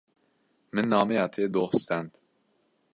Min nameya te doh stend.